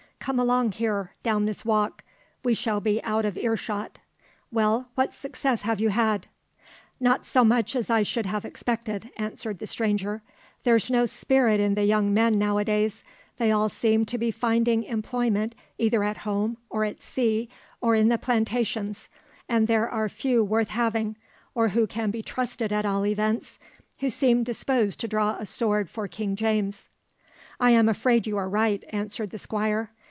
Come along here, down this walk; we shall be out of ear shot. Well, what success have you had?" "Not so much as I should have expected," answered the stranger. "There's no spirit in the young men now a days; they all seem to be finding employment either at home, or at sea, or in the plantations, and there are few worth having, or who can be trusted at all events, who seem disposed to draw a sword for King James." "I am afraid you are right," answered the Squire.